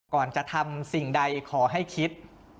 ก่อนจะทำสิ่งใดขอให้คิด